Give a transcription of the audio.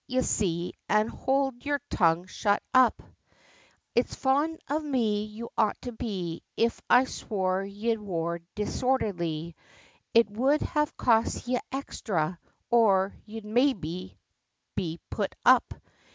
ye see, an' howld yer tongue, shut up It's fond of me, you ought to be, if I swore ye wor disordherly, It would have cost ye exthra, or you'd maybe be put up!"